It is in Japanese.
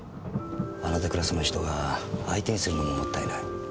あなたクラスの人が相手にするのももったいない。